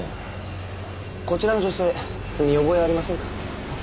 こちらの女性見覚えありませんか？